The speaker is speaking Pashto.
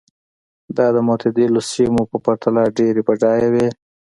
دا د معتدلو سیمو په پرتله ډېرې بډایه وې.